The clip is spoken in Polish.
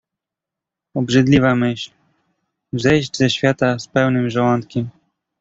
"Obrzydliwa myśl: zejść ze świata z pełnym żołądkiem!"